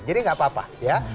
jadi nggak apa apa ya